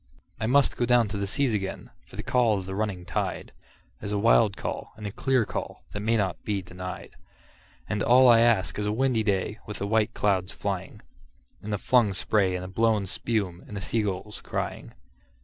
I must down go to the seas again, for the call of the running tide Is a wild call and a clear call that may not be denied; And all I ask is a windy day with the white clouds flying, And the flung spray and the blown spume, and the sea gulls crying.